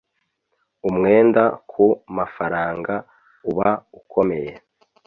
umwenda ku mafaranga uba ukomeye